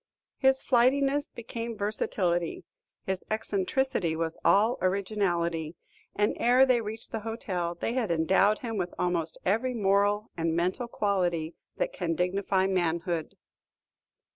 His flightiness became versatility; his eccentricity was all originalty; and ere they reached the hotel, they had endowed him with almost every moral and mental quality that can dignify manhood.